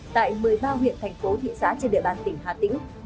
tại một mươi ba huyện thành phố thị xã trên địa bàn tỉnh hà tĩnh